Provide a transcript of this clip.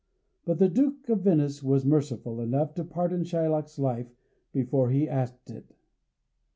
But the Duke of Venice was merciful enough to pardon Shylock's life before he asked it.